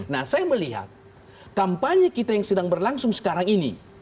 nah saya melihat kampanye kita yang sedang berlangsung sekarang ini